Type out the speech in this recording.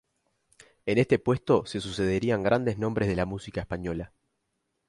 En este puesto se sucederían grandes nombres de la música española.